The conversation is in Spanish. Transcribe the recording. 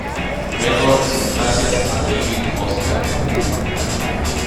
Records gracias a David Foster.